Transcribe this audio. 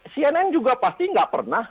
cnn juga pasti nggak pernah